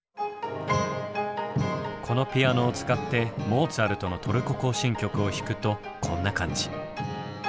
このピアノを使ってモーツァルトの「トルコ行進曲」を弾くとこんな感じ。